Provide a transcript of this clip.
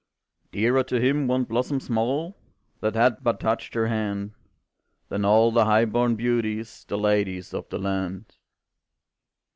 "Dearer to him one blossom small That had but touched her hand, Than all the high born beauties The ladies of the land.